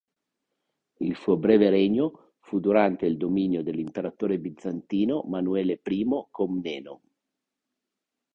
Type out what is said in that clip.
Il suo breve regno fu durante il dominio dell'imperatore bizantino Manuele I Comneno.